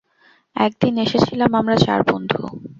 এক দিন এসেছিলাম আমরা চার বন্ধু।